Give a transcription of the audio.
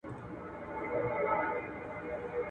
قصاص ټولنه له جرمونو پاکوي.